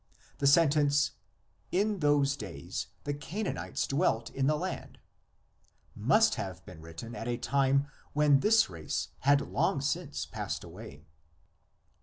the sentence "in those days the Canaanites dwelt in the land" must have been written at a time when this race had long since passed away.